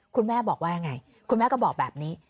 คุณแม่บอกว่ายังไงคุณแม่ก็บอกแบบนี้